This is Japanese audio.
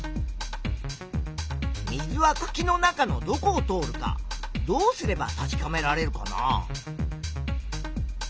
水はくきの中のどこを通るかどうすれば確かめられるかな？